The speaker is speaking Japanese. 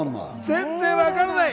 全然わからない？